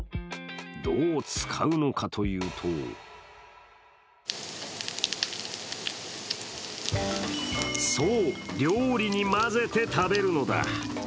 どう使うのかというとそう、料理に混ぜて食べるのだ。